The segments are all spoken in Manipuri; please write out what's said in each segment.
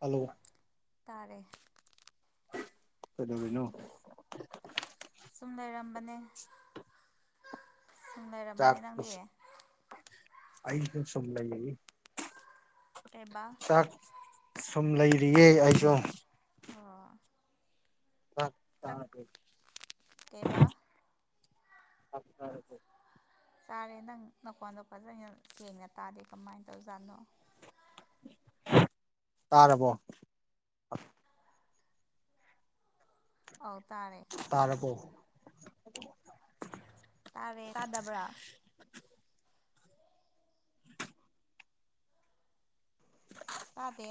ꯍꯜꯂꯣ ꯇꯥꯔꯦ ꯀꯩꯗꯧꯔꯤꯅꯣ ꯁꯨꯝ ꯂꯩꯔꯝꯕꯅꯦ ꯁꯨꯝ ꯂꯩꯔꯝꯕꯅꯦ ꯅꯪꯗꯤ ꯆꯥꯛꯄꯁꯨ ꯑꯩꯁꯨ ꯁꯨꯝ ꯂꯩꯔꯤ ꯀꯩꯕ ꯆꯥꯛ ꯁꯨꯝ ꯂꯩꯔꯤꯌꯦ ꯑꯩꯁꯨ ꯑꯣ ꯆꯥꯛ ꯇꯔ ꯀꯩꯕꯥ [inaudible] ꯆꯥꯔꯦ ꯅꯪ ꯅꯀꯣꯟꯗꯣ ꯐꯖꯅ ꯁꯦꯡꯅ ꯇꯥꯗꯦ ꯀꯃꯥꯏꯅ ꯇꯧꯖꯥꯠꯅꯣ ꯇꯥꯔꯕꯣ ꯑꯧ ꯇꯥꯔꯦ ꯇꯥꯔꯕꯣ ꯇꯥꯔꯦ ꯇꯥꯗꯕ꯭ꯔꯥ ꯇꯥꯗꯦ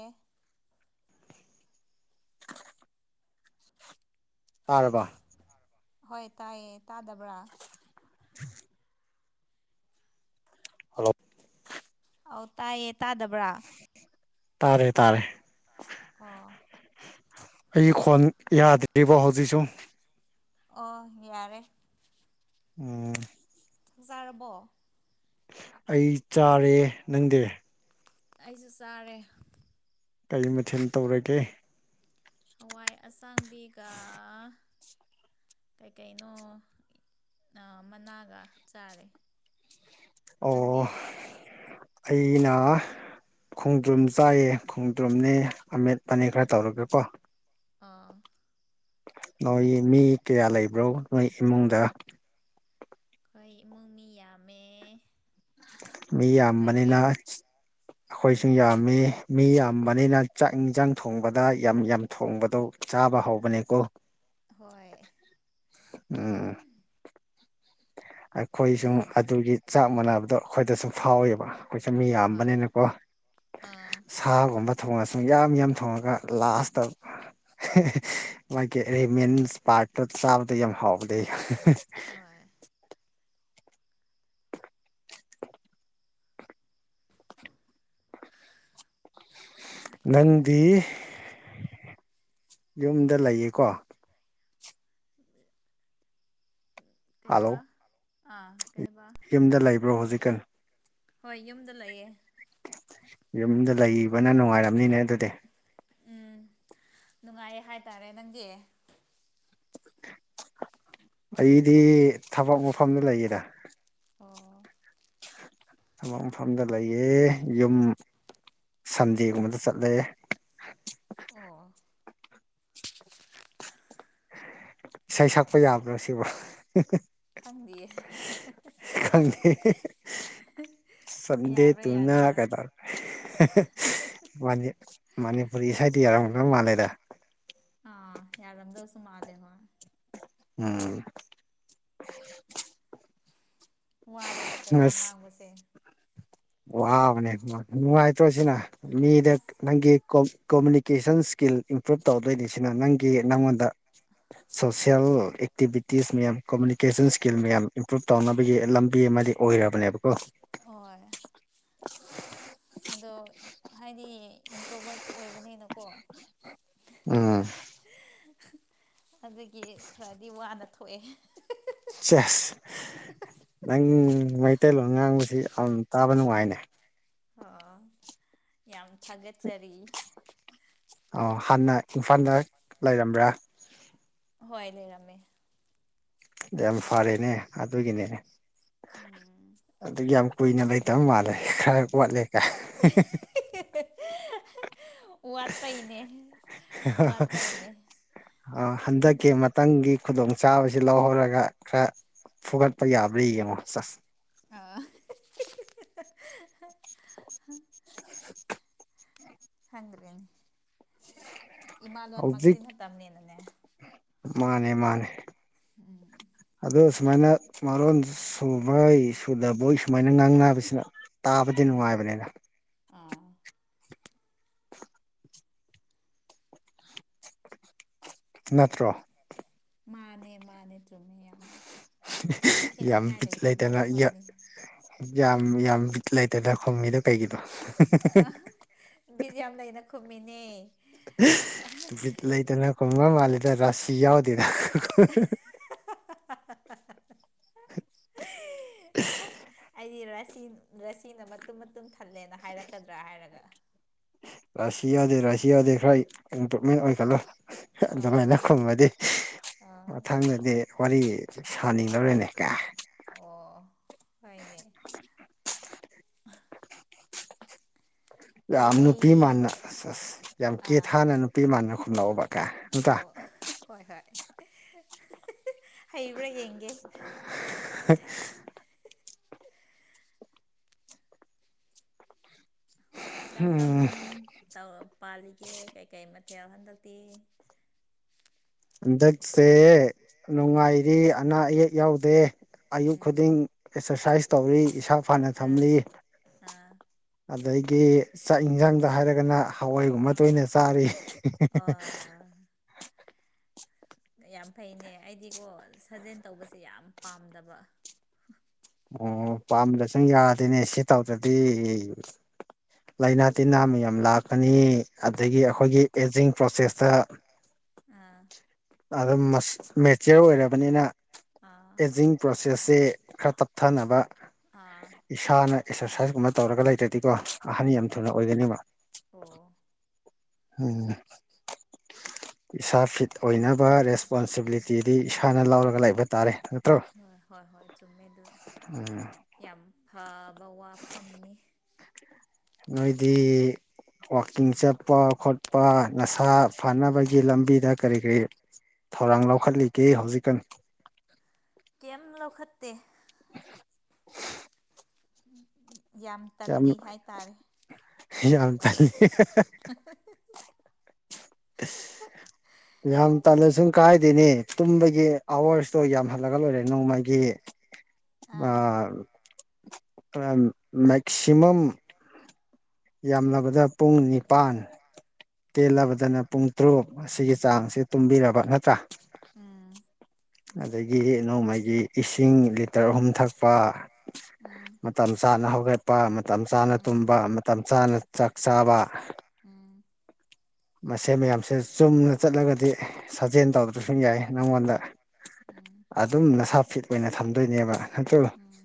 ꯇꯥꯔꯕꯥ ꯍꯣꯏ ꯇꯥꯏꯌꯦ ꯇꯥꯗꯕ꯭ꯔꯥ [inaudible] ꯍꯜꯂꯣ ꯑꯧ ꯇꯥꯏꯌꯦ ꯇꯥꯗꯕ꯭ꯔꯥ ꯇꯥꯔꯦ ꯇꯥꯔꯦ ꯑꯣ ꯑꯩ ꯈꯣꯟ ꯌꯥꯗ꯭ꯔꯤꯕ ꯍꯧꯖꯤꯛꯁꯨ ꯑꯣ ꯌꯥꯔꯦ ꯑꯣ ꯆꯥꯛ ꯆꯥꯔꯕꯣ ꯑꯩ ꯆꯥꯔꯦ ꯅꯪꯗꯤ ꯑꯩꯁꯨ ꯆꯥꯔꯦ ꯀꯔꯤ ꯃꯊꯦꯜ ꯇꯧꯔꯒꯦ ꯍꯋꯥꯏ ꯑꯁꯥꯡꯕꯤꯒ ꯀꯩꯀꯩꯅꯣ ꯃꯅꯥꯒ ꯆꯥꯔꯦ ꯅꯪꯗꯤ ꯑꯣ ꯑꯩꯅ ꯈꯣꯡꯗ꯭ꯔꯨꯝ ꯆꯥꯏꯌꯦ ꯈꯣꯡꯗ꯭ꯔꯨꯝꯅꯦ ꯑꯃꯦꯠꯄꯅꯦ ꯈꯔ ꯇꯧꯔꯒꯀꯣ ꯑꯣ ꯅꯣꯏ ꯃꯤ ꯀꯌꯥ ꯂꯩꯕ꯭ꯔꯣ ꯅꯣꯏ ꯏꯃꯨꯡꯗ ꯑꯩꯈꯣꯏ ꯏꯃꯨꯡ ꯃꯤ ꯌꯥꯝꯃꯦ ꯃꯤ ꯅꯣꯏꯗꯤ ꯌꯥꯝꯕꯅꯤꯅ ꯑꯩꯈꯣꯏꯁꯨ ꯌꯥꯝꯃꯤ ꯃꯤ ꯌꯥꯝꯕꯅꯤꯅ ꯆꯥꯛ ꯏꯟꯁꯥꯡ ꯊꯣꯡꯕꯗ ꯌꯥꯝ ꯌꯥꯝ ꯊꯣꯡꯕꯗꯣ ꯆꯥꯕ ꯍꯧꯕꯅꯦꯀꯣ ꯍꯣꯏ ꯎꯝ ꯑꯩꯈꯣꯏꯁꯨ ꯑꯗꯨꯒꯤ ꯆꯥꯞ ꯃꯥꯟꯅꯕꯗꯨ ꯑꯩꯈꯣꯏꯗꯁꯨ ꯐꯥꯎꯋꯦꯕ ꯑꯩꯈꯣꯏꯁꯨ ꯃꯤ ꯍꯣꯏ ꯌꯥꯝꯕꯅꯤꯅꯀꯣ ꯑꯥ ꯁꯥꯒꯨꯝꯕ ꯊꯣꯡꯉꯁꯨ ꯌꯥꯝ ꯌꯥꯝ ꯊꯣꯡꯉꯒ ꯂꯥꯁꯇ ꯃꯥꯒꯤ ꯑꯦꯔꯤꯃꯦꯟꯁ ꯄꯥꯔꯠꯇꯣ ꯆꯥꯕꯗꯣ ꯆꯕꯥꯗ ꯌꯥꯝ ꯍꯥꯎꯕꯅꯦ ꯍꯣꯏ [inaudible] ꯅꯪꯗꯤ ꯌꯨꯝꯗ ꯂꯩꯌꯦꯀꯣ ꯀꯩꯕꯥ ꯍꯜꯂꯣ ꯑꯥ ꯀꯩꯕꯥ ꯌꯨꯝꯗ ꯂꯩꯕ꯭ꯔꯣ ꯍꯧꯖꯤꯛꯒꯥꯟ ꯍꯣꯏ ꯌꯨꯝꯗ ꯂꯩꯌꯦ ꯌꯨꯝꯗ ꯂꯩꯕꯅ ꯅꯨꯡꯉꯥꯏꯔꯝꯅꯤꯅꯦ ꯑꯗꯨꯗꯤ ꯎꯝ ꯅꯨꯡꯉꯥꯏꯌꯦ ꯍꯥꯏꯇꯥꯔꯦ ꯅꯪꯒꯤ ꯑꯩꯗꯤ ꯊꯕꯛ ꯃꯐꯝꯗ ꯂꯩꯌꯦꯗ ꯑꯣ ꯊꯕꯛ ꯃꯐꯝꯗ ꯂꯩꯌꯦ ꯌꯨꯝ ꯁꯟꯗꯦꯒꯨꯝꯕꯗ ꯆꯠꯂꯦ ꯑꯣ ꯏꯁꯩ ꯁꯛꯄ ꯌꯥꯕ꯭ꯔꯣ ꯁꯤꯕꯣ ꯈꯪꯗꯤꯌꯦ ꯈꯪꯗꯦ ꯁꯟꯗꯦ ꯌꯥꯕ꯭ꯔꯥ ꯇꯨꯅ ꯌꯥꯗꯕ꯭ꯔꯥ ꯀꯩꯗꯧꯔꯦ ꯃꯅꯤꯄꯨꯔꯤ ꯢꯁꯩꯗꯤ ꯌꯥꯎꯔꯝꯗꯧ ꯃꯥꯜꯂꯤꯗ ꯑꯥ ꯌꯥꯔꯝꯗꯧꯁꯨ ꯃꯜꯂꯦ ꯍꯣꯢ ꯎꯝ ꯋꯥꯔꯦꯗꯀꯣ ꯋꯥ ꯑꯁ ꯉꯥꯡꯕꯁꯦ ꯋꯥꯕꯅꯦ ꯅꯨꯡꯉꯥꯏꯇ꯭ꯔꯣ ꯁꯤꯅ ꯃꯤꯗ ꯑꯁ ꯅꯪꯒꯤ ꯀꯣ ꯀꯣꯃꯨꯅꯤꯀꯦꯁꯟ ꯏꯁꯀꯤꯜ ꯏꯝꯄ꯭ꯔꯨꯞ ꯇꯧꯗꯣꯏꯔꯤ ꯁꯤꯅ ꯅꯪꯒꯤ ꯅꯪꯉꯣꯟꯗ ꯁꯣꯁꯤꯌꯦꯜ ꯑꯦꯛꯇꯤꯚ ꯏꯁꯇꯤꯁ ꯃꯌꯥꯝ ꯀꯣꯃꯨꯅꯤꯀꯦꯁꯟ ꯏꯁꯀꯤꯜ ꯃꯌꯥꯝ ꯏꯝꯄ꯭ꯔꯨꯨꯞ ꯇꯧꯅꯕꯒꯤ ꯂꯝꯕꯤ ꯑꯃꯗꯤ ꯑꯣꯏꯔꯕꯅꯦꯕꯀꯣ ꯑꯣ [unintelligible] ꯑꯗꯣ ꯍꯥꯏꯗꯤ ꯏꯟꯇ꯭ꯔꯣꯕꯔꯠ ꯑꯣꯏꯕꯅꯤꯅꯀꯣ ꯎꯝ ꯑꯗꯨꯒꯤ ꯈꯔꯗꯤ ꯋꯥꯅ ꯊꯣꯛꯑꯦ ꯆꯁ ꯅꯪ ꯃꯩꯇꯩꯂꯣꯟ ꯉꯥꯡꯕꯁꯤ ꯌꯥꯝ ꯇꯥꯕ ꯅꯨꯡꯉꯥꯏꯅꯦ ꯑꯣ ꯌꯥꯝ ꯊꯥꯒꯠꯆꯔꯤ ꯑ ꯍꯥꯟꯅ ꯏꯝꯐꯥꯜꯗ ꯂꯩꯔꯝꯕ꯭ꯔꯥ ꯍꯣꯏ ꯂꯩꯔꯝꯃꯦ ꯌꯥꯝ ꯐꯔꯦꯅꯦ ꯑꯗꯨꯒꯤꯅꯦ ꯎꯝ ꯑꯗꯨ ꯌꯥꯝ ꯀꯨꯏꯅ ꯂꯩꯇꯕ ꯃꯥꯜꯂꯦ ꯈꯔ ꯋꯥꯠꯂꯦ ꯀ ꯋꯥꯠꯄꯥꯏꯅꯦ ꯋꯥꯠꯄꯥꯏꯅꯦ ꯈꯤꯇꯪꯒꯤ ꯈꯨꯗꯣꯡ ꯆꯥꯕꯁꯤ ꯂꯧꯍꯧꯔꯒ ꯈꯔ ꯐꯨꯒꯠꯄ ꯌꯥꯕꯔꯤ ꯌꯦꯡꯉꯣ ꯆꯁ ꯑꯥ [unintelligible] ꯈꯪꯗ꯭ꯔꯔꯤꯅꯦ ꯏꯃꯥꯂꯣꯟꯃꯛꯇꯤ ꯍꯧꯖꯤꯛ ꯅꯥꯇꯝꯅꯤꯅꯥꯅꯦ ꯃꯥꯅꯦ ꯃꯥꯅꯦ ꯎꯝ ꯑꯗꯣ ꯁꯨꯃꯥꯏꯅ ꯃꯔꯣꯟ ꯁꯨꯕꯩ ꯁꯨꯗꯕꯣꯏ ꯁꯨꯃꯥꯏꯅ ꯉꯥꯡꯕꯁꯤꯅ ꯇꯥꯕꯗꯤ ꯑꯥ ꯅꯨꯡꯉꯥꯏꯕꯅꯤꯅ ꯑꯥ ꯅꯠꯇ꯭ꯔꯣ ꯃꯥꯅꯦ ꯃꯥꯅꯦ ꯆꯨꯝꯃꯦ ꯌꯥꯝꯅ ꯌꯥꯝ ꯈꯦꯠꯅꯤꯡꯉꯥꯏ ꯕꯦꯠ ꯂꯩꯇ꯭ꯔꯕ ꯂꯩꯇꯅ ꯋꯥꯐꯝꯅꯤ ꯌꯥꯝ ꯌꯥꯝ ꯕꯤꯇ ꯂꯩꯇꯅ ꯈꯨꯝꯃꯤꯗꯣ ꯀꯩꯒꯤꯗꯣ ꯕꯦꯇ ꯌꯥꯝ ꯂꯩꯅ ꯈꯨꯝꯃꯤꯅꯦ ꯕꯤꯌ ꯂꯩꯇꯅ ꯈꯨꯝꯕ ꯃꯥꯜꯂꯦꯗ ꯔꯥꯁꯤ ꯌꯥꯎꯗꯦꯗ ꯑꯩꯗꯤ ꯔꯁꯤ ꯔꯁꯤꯅ ꯃꯇꯨꯝ ꯃꯇꯨꯝ ꯊꯜꯂꯦꯅ ꯍꯥꯏꯔꯛꯀꯗ꯭ꯔꯥ ꯍꯥꯏꯔꯒ ꯔꯁꯤꯌꯥꯗ ꯔꯁꯤꯌꯥꯗꯦ ꯈ꯭ꯔꯥꯏ ꯏꯝꯄꯔꯣꯚꯦꯃꯦꯜ ꯑꯣꯏ ꯀꯜꯂ ꯑꯗꯨꯃꯥꯏꯅ ꯑꯥ ꯈꯨꯝꯃꯗꯤ ꯑꯥ ꯃꯊꯪꯗꯗꯤ ꯗꯤ ꯋꯥꯔꯤ ꯁꯥꯅꯤꯡ ꯂꯧꯔꯦꯅꯦ ꯀ ꯑꯣ ꯍꯣꯏꯅꯦ ꯌꯥꯝ ꯀꯩꯀꯩ ꯅꯨꯄꯤ ꯃꯥꯟꯅ ꯑꯁ ꯑꯁ ꯌꯥꯝ ꯀꯦ ꯑꯥ ꯊꯥꯅ ꯅꯨꯄꯤ ꯃꯥꯟꯅ ꯈꯨꯝꯂꯛꯎꯕ ꯀꯥꯏ ꯅꯥꯠꯔꯥ ꯑꯣ ꯍꯣꯏ ꯍꯣꯏ ꯍꯩꯕ꯭ꯔꯥ ꯌꯦꯡꯒꯦ [unintelligible] ꯀꯝ ꯀꯝ ꯎꯝ ꯇꯧ ꯄꯥꯜꯂꯤꯒꯦ ꯀꯩꯀꯩ ꯃꯊꯦꯜ ꯍꯟꯗꯛꯇꯤ ꯍꯟꯗꯛꯁꯦ ꯆꯥꯒꯦ ꯎꯝ ꯅꯨꯡꯉꯥꯏꯔꯤ ꯑꯅꯥ ꯑꯌꯦꯛ ꯌꯥꯎꯗꯦ ꯑꯌꯨꯛ ꯎꯝ ꯈꯨꯗꯤꯡ ꯑꯦꯛꯁꯔꯁꯥꯏꯁ ꯇꯧꯔꯤ ꯏꯁꯥ ꯐꯅ ꯑꯥ ꯊꯝꯂꯤ ꯑꯥ ꯑꯗꯒꯤ ꯆꯥꯛ ꯌꯦꯟꯁꯥꯡꯗ ꯍꯥꯏꯔꯒꯅ ꯍꯋꯥꯏꯒꯨꯝꯕ ꯑꯥ ꯇꯣꯏꯅ ꯆꯥꯔꯤ ꯑꯥ ꯌꯥꯝ ꯐꯩꯅꯦ ꯑꯩꯗꯤꯀꯣ ꯁꯥꯖꯦꯜ ꯇꯧꯕꯁꯦ ꯌꯥꯝ ꯄꯥꯝꯗꯕ ꯑꯣ ꯄꯥꯝꯕꯗꯁꯨ ꯌꯥꯗꯦꯅꯦ ꯁꯤ ꯇꯧꯗ꯭ꯔꯗꯤ ꯂꯥꯏꯅꯥ ꯇꯤꯟꯅꯥ ꯃꯌꯥꯝ ꯂꯥꯛꯀꯅꯤ ꯑꯗꯒꯤ ꯑꯥ ꯑꯩꯈꯣꯏꯒꯤ ꯑꯦꯖꯤꯡ ꯄ꯭ꯔꯣꯁꯦꯁꯇ ꯑꯝ ꯑꯗꯨꯝ ꯃꯦꯆꯤꯌꯣꯔ ꯑꯣꯏꯔꯕꯅꯤꯅ ꯑꯥ ꯑꯦꯖꯤꯡ ꯄ꯭ꯔꯣꯁꯦꯁꯁꯦ ꯈꯔ ꯇꯞ ꯊꯥꯅꯕ ꯑꯥ ꯏꯁꯥꯅ ꯑꯦꯛꯁꯔꯁꯥꯏꯁ ꯀꯨꯝꯕ ꯇꯧꯔꯒ ꯂꯩꯇ꯭ꯔꯗꯤꯀꯣ ꯑꯍꯟ ꯌꯥꯝ ꯎꯝ ꯊꯨꯅ ꯑꯣꯏꯒꯅꯤꯕ ꯑꯣ ꯎꯝ ꯏꯁꯥ ꯐꯤꯠ ꯑꯣꯏꯅꯕ ꯔꯦꯁꯄꯣꯟꯁꯤꯕꯤꯂꯤꯇꯤꯗꯤ ꯏꯁꯥꯅ ꯂꯧꯔꯒ ꯂꯩꯕ ꯇꯥꯔꯦ ꯅꯠꯇ꯭ꯔꯣ ꯍꯣꯏ ꯍꯣꯏ ꯍꯣꯏ ꯆꯨꯝꯃꯦ ꯑꯗꯨ ꯎꯝ ꯌꯥꯝ ꯐꯕ ꯋꯥꯐꯝꯅꯤ ꯅꯣꯏꯗꯤ ꯋꯥꯛꯀꯤꯡ ꯆꯠꯄ ꯈꯣꯠꯄ ꯅꯁꯥ ꯐꯅꯕꯒꯤ ꯂꯝꯕꯤꯗ ꯀꯔꯤ ꯀꯔꯤ ꯊꯧꯔꯥꯡ ꯂꯧꯈꯠꯂꯤꯒꯦ ꯍꯧꯖꯤꯛꯒꯥꯟ ꯀꯩꯝ ꯂꯧꯈꯠꯇꯦ [inaudible] ꯎꯝ-ꯎꯝ-ꯌꯥꯝ ꯌꯥꯝ ꯇꯜꯂꯤ ꯍꯥꯏꯇꯥꯔꯦ ꯌꯥꯝ ꯇꯜꯂꯤ [unintelligible] ꯌꯥꯝ ꯇꯜꯂꯁꯨ ꯀꯥꯏꯗꯦꯅꯦ ꯇꯨꯝꯕꯒꯤ ꯑꯋꯥꯔꯁꯇꯣ ꯌꯥꯝꯍꯜꯂꯒ ꯂꯣꯏꯔꯦ ꯅꯣꯡꯃꯒꯤ ꯑꯥ [unintelligible] ꯃꯦꯛꯁꯤꯃꯝ ꯌꯥꯝꯂꯕꯗ ꯄꯨꯡ ꯅꯤꯄꯥꯟ ꯇꯦꯜꯂꯕꯗꯅ ꯄꯨꯡ ꯇꯔꯨꯛ ꯁꯤꯒꯤ ꯆꯥꯡꯁꯤ ꯇꯨꯝꯕꯤꯔꯕ ꯅꯠꯇ꯭ꯔꯥ ꯎꯝ ꯑꯗꯒꯤ ꯅꯣꯡꯃꯒꯤ ꯏꯁꯤꯡ ꯂꯤꯇꯔ ꯑꯍꯨꯝ ꯊꯛꯄ ꯎꯝ ꯃꯇꯝ ꯆꯥꯅ ꯍꯧꯒꯠꯄ ꯃꯇꯝ ꯆꯥꯅ ꯇꯨꯝꯕ ꯃꯇꯝ ꯆꯥꯅ ꯆꯥꯛ ꯆꯥꯕ ꯎꯝ ꯃꯁꯤ ꯃꯌꯥꯝꯁꯦ ꯆꯨꯝꯅ ꯆꯠꯂꯒꯗꯤ ꯁꯥꯖꯦꯜ ꯇꯧꯗ꯭ꯔꯁꯨ ꯌꯥꯏ ꯅꯪꯉꯣꯟꯗ ꯅꯪꯉꯣꯟꯗ ꯎꯝ ꯑꯗꯨꯝ ꯅꯁꯥ ꯐꯤꯠ ꯑꯣꯏꯅ ꯊꯝꯗꯣꯏꯅꯦꯕ ꯅꯠꯇ꯭ꯔꯣ ꯎꯝ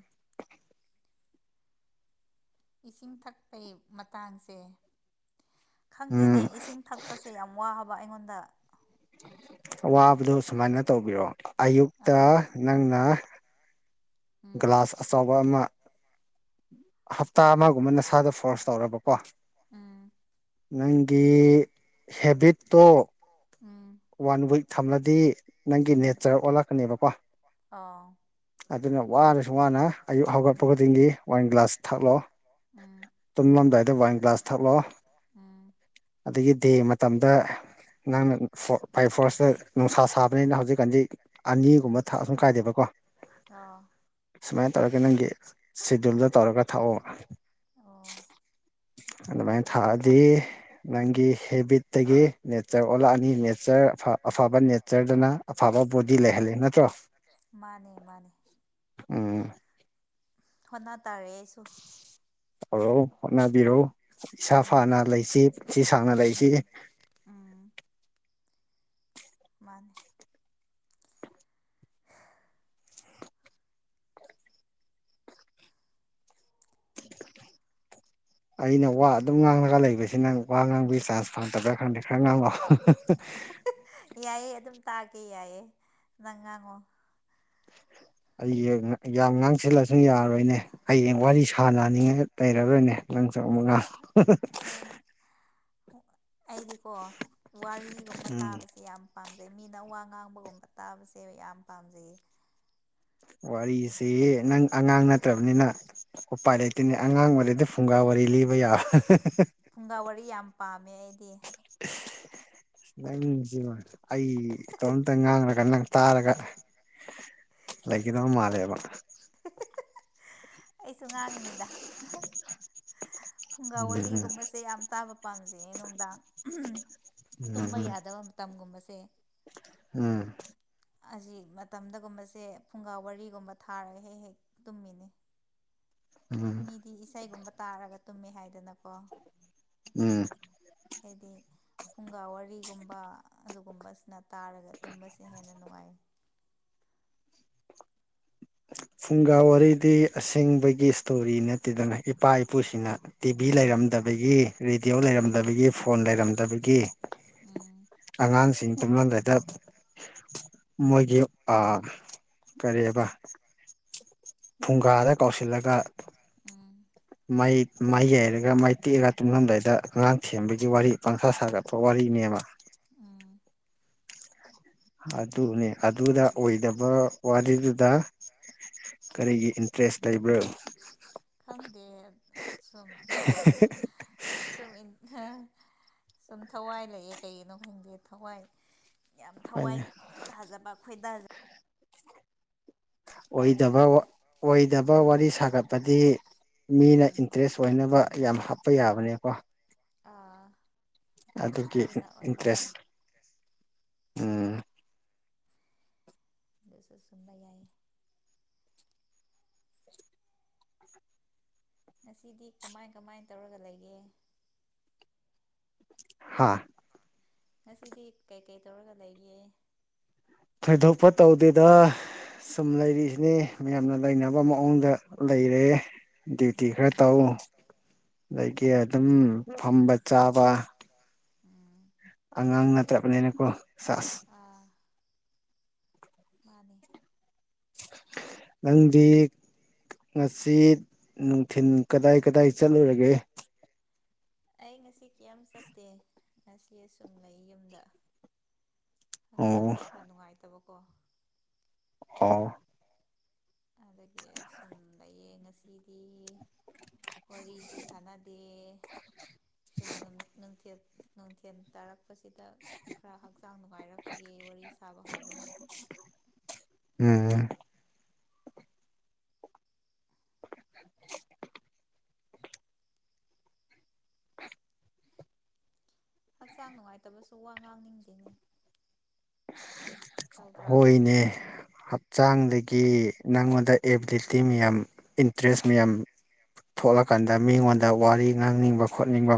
ꯏꯁꯤꯡ ꯊꯛꯄꯩ ꯃꯇꯥꯡꯁꯦ ꯈꯪꯗꯦꯅꯦ ꯎꯝ ꯏꯁꯤꯡ ꯊꯛꯄꯁꯤ ꯌꯥꯝ ꯋꯥꯕ ꯑꯩꯉꯣꯟꯗ ꯋꯥꯕꯗꯨ ꯁꯨꯃꯥꯏꯅ ꯇꯧꯕꯤꯔꯣ ꯑꯌꯨꯛꯇ ꯑꯥ ꯅꯪꯅ ꯎꯝ ꯒ꯭ꯂꯥꯁ ꯑꯆꯧꯕ ꯑꯃ ꯍꯞꯇꯥ ꯑꯃꯒꯨꯝꯕ ꯅꯁꯥꯗꯣ ꯐꯣꯔꯁ ꯇꯧꯔꯣꯕꯀꯣ ꯎꯝ ꯅꯪꯒꯤ ꯍꯦꯕꯤꯠꯇꯣ ꯎꯝ ꯋꯥꯟ ꯋꯤꯛ ꯊꯝꯂꯗꯤ ꯅꯪꯒꯤ ꯎꯝ ꯅꯦꯆꯔ ꯑꯣꯜꯂꯛꯀꯅꯦꯕꯀꯣ ꯑꯥꯎ ꯑꯗꯨꯅ ꯋꯥꯔꯁꯨ ꯋꯥꯅ ꯑꯌꯨꯛ ꯍꯧꯒꯠꯄ ꯎꯝ ꯈꯨꯗꯤꯡꯒꯤ ꯋꯥꯟ ꯒ꯭ꯂꯥꯁ ꯊꯛꯂꯣ ꯎꯝ ꯇꯨꯝꯂꯝꯗꯥꯏꯗ ꯋꯥꯏꯟ ꯒ꯭ꯂꯥꯁ ꯊꯛꯂꯣ ꯎꯝ ꯑꯗꯒꯤ ꯗꯦ ꯃꯇꯝꯗ ꯅꯪ ꯐꯣ ꯕꯥꯏ- ꯐꯣꯔꯁꯇ ꯅꯨꯡꯁꯥ ꯁꯥꯕꯅꯤꯅ ꯍꯧꯖꯤꯛꯒꯥꯟꯗꯤ ꯑꯅꯤꯒꯨꯝꯕ ꯊꯛꯑꯁꯨ ꯀꯥꯏꯗꯦꯕꯀꯣ ꯑꯥ ꯁꯨꯃꯥꯏꯅ ꯇꯧꯔꯒ ꯅꯪꯒꯤ ꯁꯦꯗꯨꯜꯗꯣ ꯇꯧꯔꯒ ꯊꯥꯛꯑꯣ ꯑꯣ ꯍꯣꯏ ꯑꯗꯨꯃꯥꯏꯅ ꯍꯣꯠꯅ ꯊꯛꯑꯗꯤ ꯇꯥꯔꯦ ꯎꯝ ꯅꯪꯒꯤ ꯍꯦꯕꯤꯠꯇꯒꯤ ꯅꯦꯆꯔ ꯑꯣꯜꯂ ꯃꯤ ꯅꯦꯆꯔ ꯑꯐꯕ ꯅꯦꯆꯔꯗꯨꯅ ꯑꯐꯕ ꯕꯣꯗꯤ ꯂꯩꯍꯜꯂꯤ ꯅꯠꯇ꯭ꯔꯣ ꯃꯥꯅꯦ ꯃꯥꯅꯦ ꯎꯝ ꯍꯣꯠꯅꯥ ꯇꯥꯔꯦ ꯑꯩꯁꯨ ꯍꯧꯔꯣ ꯍꯣꯠꯅꯕꯤꯔꯣ ꯏꯁꯥ ꯎꯝ ꯐꯅ ꯂꯩꯁꯤ ꯄꯨꯟꯁꯤ ꯁꯥꯡꯅ ꯂꯩꯁꯤ ꯎꯝ ꯎꯝ ꯃꯥꯅꯦ ꯑꯩꯅ ꯋꯥ ꯑꯗꯨꯝ ꯉꯥꯡꯉꯒ ꯂꯩꯕꯁꯤ ꯅꯪ ꯋꯥ ꯉꯥꯡꯕꯒꯤ ꯆꯥꯟꯁ ꯐꯪꯗꯕ꯭ꯔꯥ ꯈꯪꯗꯦ ꯈꯔ ꯉꯥꯡꯉꯣ ꯌꯥꯏꯌꯦ ꯑꯗꯨꯝ ꯇꯥꯛꯒꯦ ꯌꯥꯏꯌꯦ ꯅꯪ ꯉꯥꯡꯉꯣ ꯑꯩꯁꯦ ꯌꯥꯝ ꯉꯥꯡ ꯁꯤꯜꯂꯁꯨ ꯌꯥꯔꯣꯏꯅꯦ ꯍꯌꯦꯡ ꯋꯥꯔꯤ ꯁꯥꯟꯅꯅꯤꯡꯉꯥꯏ ꯂꯩꯔꯔꯣꯏꯅꯦ ꯅꯪꯁꯨ ꯑꯃꯨꯛ ꯉꯥꯡꯉꯨ [unintelligible] ꯑꯩꯗꯤꯀꯣ ꯋꯥꯔꯤꯒꯨꯝꯕ ꯎꯝ ꯇꯥꯕꯁꯤ ꯌꯥꯝ ꯄꯥꯝꯖꯩ ꯃꯤꯅ ꯋꯥ ꯉꯥꯡꯕꯒꯨꯝꯕ ꯇꯥꯕꯁꯦ ꯌꯥꯝ ꯄꯥꯝꯖꯩꯌꯦ ꯋꯥꯔꯤꯁꯦ ꯅꯪ ꯑꯉꯥꯡ ꯅꯠꯇ꯭ꯔꯕꯅꯤꯅ ꯎꯄꯥꯏ ꯂꯩꯇꯦꯅꯦ ꯑꯉꯥꯡ ꯑꯣꯏꯔꯗꯤ ꯐꯨꯡꯒꯥ ꯋꯥꯔꯤ ꯂꯤꯕ ꯌꯥꯕꯅꯦ ꯐꯨꯡꯒꯥ ꯋꯥꯔꯤ ꯌꯥꯝ ꯄꯥꯝꯃꯦ ꯑꯩꯗꯤ ꯢꯁ ꯅꯪꯖꯤꯃ ꯑꯩ ꯢꯇꯣꯝꯇ ꯉꯥꯡꯂꯒ ꯅꯪ ꯇꯥꯔꯒ ꯂꯩꯒꯗꯕ ꯃꯥꯂꯦꯕ ꯑꯩꯁꯨ ꯉꯥꯡꯅꯤꯗ ꯐꯨꯡꯒꯥ ꯋꯥꯔꯤꯒꯨꯝꯕꯁꯦ ꯌꯥꯝ ꯇꯥꯕ ꯄꯥꯝꯖꯩꯌꯦ ꯅꯨꯡꯗꯥꯡ ꯎꯝ ꯇꯨꯝꯕ ꯌꯥꯗꯕ ꯃꯇꯝꯒꯨꯝꯕꯁꯦ ꯎꯝ ꯑꯁꯤ ꯃꯇꯝꯗꯒꯨꯝꯕꯁꯤ ꯐꯨꯡꯒꯥ ꯋꯥꯔꯤꯒꯨꯝꯕ ꯊꯥꯔꯒ ꯍꯦꯛ ꯍꯦꯛ ꯇꯨꯝꯃꯤꯅꯤ ꯎꯝ ꯃꯤ ꯏꯁꯩꯒꯨꯝꯕ ꯇꯥꯔꯒ ꯇꯨꯝꯃꯦ ꯍꯥꯏꯗꯅꯀꯣ ꯎꯝ ꯑꯩꯗꯤ ꯐꯨꯡꯒꯥ ꯋꯥꯔꯤꯒꯨꯝꯕ ꯑꯗꯨꯒꯨꯝꯕꯁꯤꯅ ꯇꯥꯔꯒ ꯇꯨꯝꯕꯁꯤ ꯍꯦꯟꯅ ꯅꯨꯡꯉꯥꯏ ꯐꯨꯡꯒꯥ ꯋꯥꯔꯤꯗꯤ ꯑꯁꯦꯡꯕꯒꯤ ꯏꯁꯇꯣꯔꯤ ꯅꯠꯇꯦꯗꯅ ꯏꯄꯥ ꯏꯄꯨꯁꯤꯡꯅ ꯇꯤꯚꯤ ꯎꯝ ꯂꯩꯔꯝꯗꯕꯒꯤ ꯔꯦꯗꯤꯑꯣ ꯂꯩꯔꯝꯗꯕꯒꯤ ꯐꯣꯟ ꯂꯩꯔꯝꯗꯕꯒꯤ ꯎꯝ ꯎꯝ ꯑꯉꯥꯡꯁꯤꯡ ꯇꯨꯝꯂꯝꯗꯥꯏꯗ ꯃꯣꯏꯒꯤ ꯑꯥ ꯀꯔꯤꯕ ꯐꯨꯡꯒꯥꯗ ꯐꯨꯡꯒꯥꯗ ꯀꯧꯁꯤꯜꯂꯒ ꯀꯧꯁꯤꯟꯂꯒ ꯎꯝ ꯃꯩ ꯃꯩ ꯌꯩꯔꯒ ꯃꯩ ꯇꯤꯛꯑꯒ ꯇꯨꯝꯂꯝꯗꯥꯏꯗ ꯑꯉꯥꯡ ꯊꯦꯝꯕꯒꯤ ꯋꯥꯔꯤ ꯄꯪꯁꯥ ꯁꯥꯒꯠꯄ ꯋꯥꯔꯤꯅꯦꯕ ꯎꯝ ꯑꯗꯨꯅꯦ ꯑꯗꯨꯗ ꯑꯣꯏꯗꯕ ꯋꯥꯔꯤꯗꯨꯗ ꯀꯔꯤꯒꯤ ꯏꯟꯇꯔꯦꯁ ꯂꯩꯕ꯭ꯔꯣ ꯈꯪꯗꯦ ꯁꯨꯝ ꯁꯨꯝ ꯢꯟ ꯁꯨꯝ ꯊꯋꯥꯏ ꯂꯩꯌꯦ ꯀꯩꯒꯤꯅꯣ ꯈꯪꯗꯦ ꯊꯋꯥꯏ ꯌꯥꯝ ꯊꯋꯥꯏ ꯍꯥꯏꯅ ꯇꯥꯖꯕ ꯈꯣꯏꯗꯖ ꯑꯣꯏ ꯑꯣꯏꯗꯕ ꯑꯣꯏꯗꯕ ꯎꯝ ꯋꯥꯔꯤ ꯁꯥꯒꯠꯄꯗꯤ ꯃꯤꯅ ꯎꯝ ꯏꯟꯇ꯭ꯔꯦꯁ ꯑꯣꯏꯅꯕ ꯌꯥꯝ ꯍꯥꯞꯄ ꯌꯥꯕꯅꯦꯀꯣ ꯑꯥ ꯑꯗꯨꯒꯤ ꯑꯗꯨꯅ ꯑꯣꯏꯕꯩꯔꯥ ꯏꯟꯇ꯭ꯔꯦꯁ ꯎꯝ ꯑꯗꯨꯁꯨ ꯆꯨꯝꯕ ꯌꯥꯏ ꯉꯁꯤꯗꯤ ꯀꯃꯥꯏ ꯀꯃꯥꯏ ꯇꯧꯔꯒ ꯂꯩꯒꯦ ꯍꯥꯥ ꯉꯁꯤꯗꯤ ꯀꯩꯀꯩ ꯇꯧꯔꯒ ꯂꯩꯒꯦ ꯊꯣꯏꯗꯣꯛꯄ ꯇꯧꯗꯦꯗ ꯁꯨꯝ ꯂꯩꯔꯤꯁꯤꯅꯤ ꯃꯌꯥꯝꯅ ꯂꯩꯅꯕ ꯃꯑꯣꯡꯗ ꯂꯩꯔꯦ ꯗ꯭ꯌꯨꯇꯤ ꯈꯔ ꯑꯥ ꯇꯧ ꯑꯗꯒꯤ ꯎꯝ ꯑꯗꯨꯝ ꯐꯝꯕ ꯆꯥꯕ ꯎꯝ ꯑꯉꯥꯡ ꯅꯠꯇ꯭ꯔꯕꯅꯤꯅꯀꯣ ꯁꯦꯁ ꯑꯥ ꯃꯥꯅꯦ ꯅꯪꯗꯤ ꯉꯁꯤ ꯅꯨꯡꯊꯤꯜ ꯀꯗꯥꯏ ꯀꯗꯥꯏ ꯆꯠꯂꯨꯔꯒꯦ ꯑꯩ ꯉꯁꯤ ꯀꯦꯝ ꯆꯠꯇꯦ ꯉꯁꯤ ꯑꯁꯨꯝ ꯂꯩ ꯌꯨꯝꯗ ꯑꯣ ꯍꯛꯆꯥꯡꯁꯨ ꯈꯔ ꯅꯨꯡꯉꯥꯏꯇꯕꯀꯣ ꯑꯣ ꯑꯗꯨꯒꯤ ꯁꯨꯝ ꯂꯩꯌꯦ ꯉꯁꯤꯗꯤ ꯋꯥꯔꯤꯁꯨ ꯁꯥꯟꯅꯗꯦ ꯁꯨꯝ ꯅꯨꯡꯊꯤꯜ ꯅꯨꯡꯊꯤꯜ ꯇꯥꯔꯛ ꯄꯁꯤꯗ ꯈꯔ ꯍꯛꯆꯥꯡ ꯅꯨꯡꯉꯥꯏꯔꯛꯄꯒꯤ ꯋꯥꯔꯤ ꯁꯥꯕ ꯍꯧꯕꯅꯤ ꯎꯝ ꯍꯛꯆꯥꯡ ꯅꯨꯡꯉꯥꯏꯇꯕꯁꯨ ꯋꯥ ꯉꯥꯡꯅꯤꯡꯗꯦꯅꯦ ꯇꯧꯗ꯭ꯔꯥ ꯍꯣꯏꯅꯦ ꯍꯛꯆꯥꯡꯗꯒꯤ ꯅꯪꯉꯣꯟꯗ ꯑꯦꯕꯤꯂꯤꯇꯤ ꯃꯌꯥꯝ ꯏꯟꯇꯔꯦꯁ ꯃꯌꯥꯝ [inaudible] ꯊꯣꯛꯂꯀꯥꯟꯗ ꯃꯤꯉꯣꯟꯗ ꯋꯥꯔꯤ ꯉꯥꯡꯅꯤꯡꯕ ꯈꯣꯠꯅꯤꯡꯕ